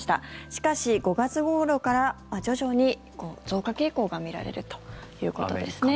しかし、５月ごろから徐々に増加傾向が見られるということですね。